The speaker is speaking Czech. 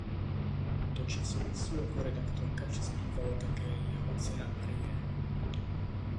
Do časopisu jako redaktorka přispívala také jeho dcera Marie.